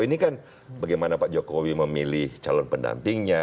ini kan bagaimana pak jokowi memilih calon pendampingnya